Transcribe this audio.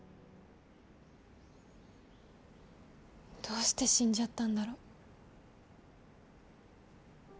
どうして死んじゃったんだろう。